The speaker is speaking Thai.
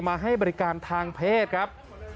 ให้บริการทางเพศครับ